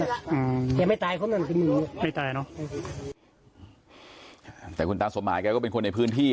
อืมยังไม่ตายคนหนึ่งไม่ตายเนอะแต่คุณตังสมหายแกก็เป็นคนในพื้นที่